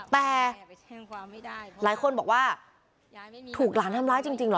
แต่หลายคนบอกว่าถูกหลานทำร้ายจริงเหรอ